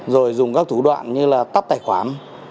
rồi dùng các thủ đoạn như là tắt tài khoản